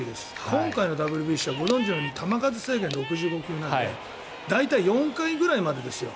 今回のＷＢＣはご存じのように球数制限が６５球なので大体４回ぐらいですよ。